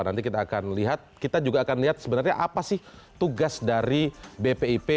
nanti kita akan lihat kita juga akan lihat sebenarnya apa sih tugas dari bpip